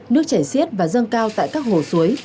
nước chảy xiết và dâng cao tại các hồ suối